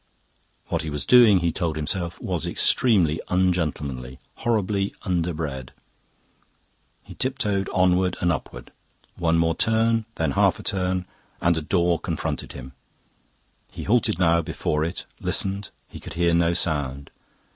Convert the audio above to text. What he was doing, he told himself, was extremely ungentlemanly, horribly underbred. He tiptoed onward and upward. One turn more, then half a turn, and a door confronted him. He halted before it, listened; he could hear no sound.